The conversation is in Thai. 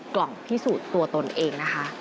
กล่องพิสูจน์ตัวตนเองนะคะ